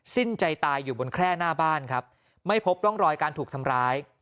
สิ้นใจตายอยู่บนแคร่หน้าบ้านครับไม่พบร่องรอยการถูกทำร้าย